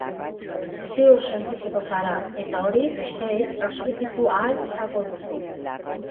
Ziur sentituko zara, eta hori besteei transmititu ahal izango duzu.